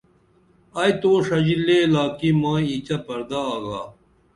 ائی تو شژی لے لاکی مائی اینچہ پردہ آگا